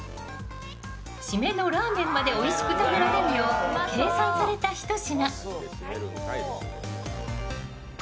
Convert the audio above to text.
〆のラーメンまでおいしく食べられるよう計算されたひと品。